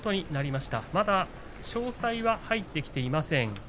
まだ詳細は入ってきていません。